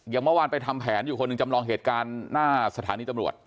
เมื่อวานไปทำแผนอยู่คนหนึ่งจำลองเหตุการณ์หน้าสถานีตำรวจ